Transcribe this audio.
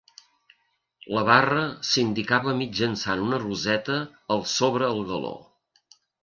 La barra s'indicava mitjançant una roseta al sobre el galó.